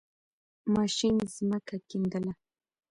ماشین زَمکه کیندله.